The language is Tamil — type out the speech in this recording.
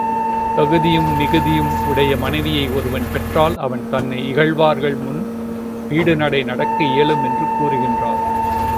தகுதி மிகுதியும் உடைய மனைவியை ஒருவன் பெற்றால் அவன் தன்னை இகழ்வார்முன் பீடு நடைநடக்க இயலும் என்று கூறுகின்றார்.